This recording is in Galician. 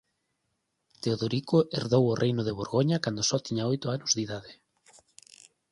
Teodorico herdou o reino de Borgoña cando só tiña oito anos de idade.